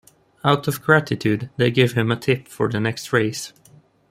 Out of gratitude, they give him a tip for the next race.